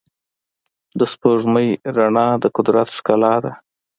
د سپوږمۍ رڼا د قدرت ښکلا ده.